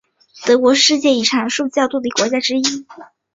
德国是世界遗产数较多的国家之一。